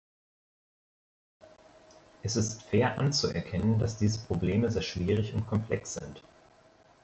Es ist fair, anzuerkennen, dass diese Probleme sehr schwierig und komplex sind.